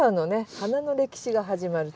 花の歴史が始まると。